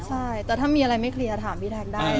ใช่แต่ถ้ามีอะไรไม่เคลียร์ถามพี่แท็กได้